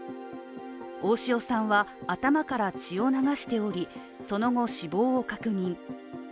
大塩さんは、頭から血を流しておりその後、死亡を確認。